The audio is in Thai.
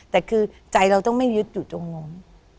แต่คือใจเราต้องไม่ยึดอยู่จงง